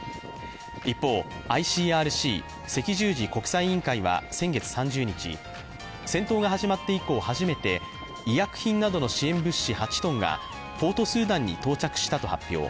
一方、ＩＣＲＣ＝赤十字国際委員会は先月３０日、戦闘が始まって以降初めて医薬品などの支援物資８ｔがポートスーダンに到着したと発表。